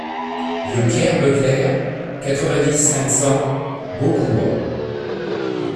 Rue Pierre Beucler, quatre-vingt-dix, cinq cents Beaucourt